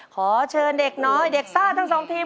ขอเชิญเด็กน้อยเด็กซ่าทั้งสองทีม